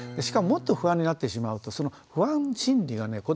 しかももっと不安になってしまうとその不安心理がね